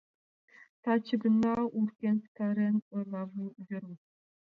— Таче гына урген пытарен, — ойла Веруш.